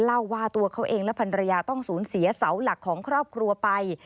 เล่าว่าตัวเขาเองและภรรยาต้องสูญเสียเสาหลักของครอบครัวไป